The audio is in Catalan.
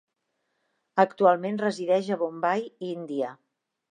Actualment resideix a Bombai, Índia.